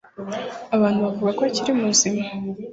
Abantu bavuga ko akiri muzima